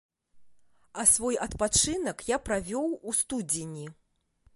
А свой адпачынак я правёў у студзені.